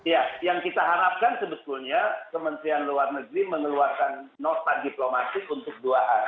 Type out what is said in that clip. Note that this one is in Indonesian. ya yang kita harapkan sebetulnya kementerian luar negeri mengeluarkan nota diplomatik untuk dua hal